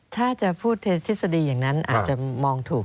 ถ้าจะพูดทฤษฎีอย่างนั้นอาจจะมองถูก